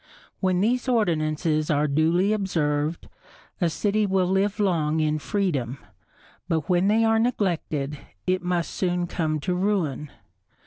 When these ordinances are duly observed, a city will live long in freedom, but when they are neglected, it must soon come to ruin.